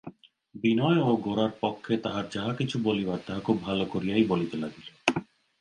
বিনয়ও গোরার পক্ষে তাহার যাহা-কিছু বলিবার তাহা খুব ভালো করিয়াই বলিতে লাগিল।